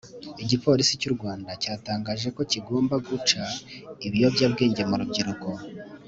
Igipolisi cy’urwanda cyatangaje ko kigomba guca ibiyobyabwenge murubyiruko